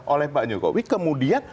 oleh pak jokowi kemudian